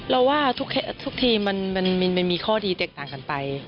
เราว่าทุกทีมมันมีข้อดีแตกต่างกันไป